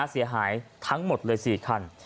เสียหายทั้งหมดเลย๔คัน